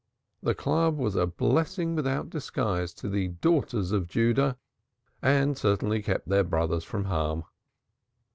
The Club was a blessing without disguise to the daughters of Judah, and certainly kept their brothers from harm.